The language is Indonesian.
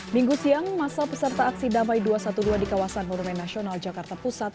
minggu siang masa peserta aksi damai dua ratus dua belas di kawasan monumen nasional jakarta pusat